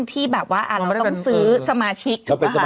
ที่แบบว่าเราต้องซื้อสมาชิก